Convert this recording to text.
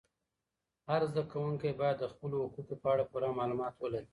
هر زده کوونکی باید د خپلو حقوقو په اړه پوره معلومات ولري.